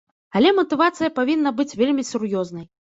Але матывацыя павінна быць вельмі сур'ёзнай.